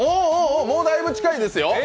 もうだいぶ近いですよ。